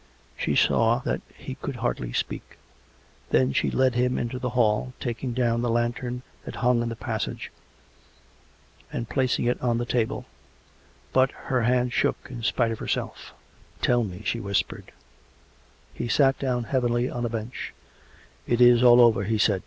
She saw that he could hardly speak. Then she led him into the hall, taking down the lantern that hung in the passage, and placing it on the table. But her hand shook in spite of herself. " Tell me," she whispered. He sat down heavily on a bench. 184 COME RACK! COME, ROPE! " It is all over," he said.